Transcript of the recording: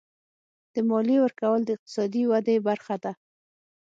د مالیې ورکول د اقتصادي ودې برخه ده.